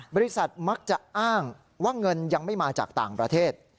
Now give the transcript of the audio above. บริษัทมักจะอ้างว่าเงินยังไม่มาจากต่างประเทศ